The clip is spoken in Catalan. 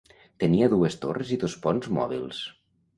Tenia dues torres i dos ponts mòbils.